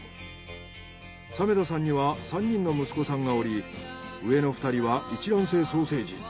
鮫田さんには３人の息子さんがおり上の２人は一卵性双生児。